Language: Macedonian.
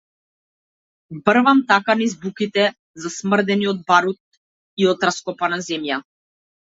Врвам така низ буките, засмрдени од барут и од раскопана земја.